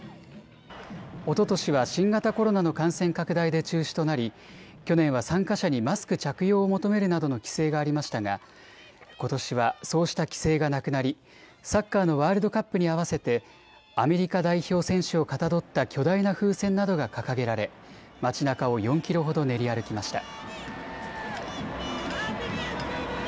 おととしは新型コロナの感染拡大で中止となり、去年は参加者にマスク着用を求めるなどの規制がありましたがことしはそうした規制がなくなりサッカーのワールドカップに合わせてアメリカ代表選手をかたどった巨大な風船などが掲げられ街なかを４キロほど練り歩きました。